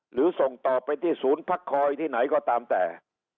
หรือส่งต่อไปที่ศูนย์พักคอยที่ไหนก็ตามแต่